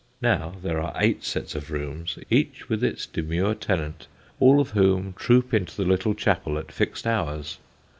Now there are eight sets of rooms, each with its demure tenant, all of whom troop into the little chapel at fixed hours.